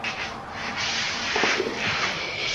位于奥斯陆峡湾西岸。